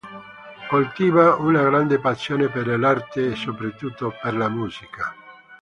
Coltiva una grande passione per l'arte e soprattutto per la musica.